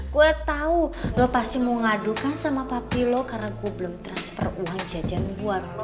gue tau lo pasti mau ngadukan sama papi lo karena gue belum transfer uang jajan buat lo